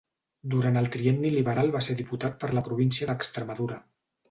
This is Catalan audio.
Durant el Trienni Liberal va ser diputat per la província d'Extremadura.